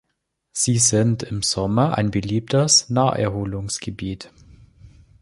Sie sind im Sommer ein beliebtes Naherholungsgebiet.